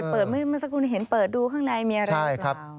เปิดไม่รู้สักครู่นี่ให้เห็นเปิดดูข้างในมีอะไรกันครับ